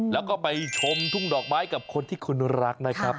แล้วก็ไปชมทุ่งดอกไม้กับคนที่คุณรักนะครับ